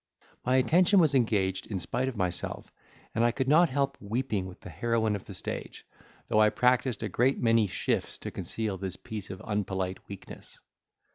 My attention was engaged in spite of myself, and I could not help weeping with the heroine of the stage, though I practised a great many shifs to conceal this piece of unpolite weakness.